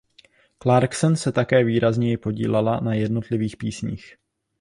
Clarkson se také výrazněji podílela na jednotlivých písních.